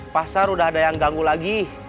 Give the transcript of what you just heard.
pasar udah ada yang ganggu lagi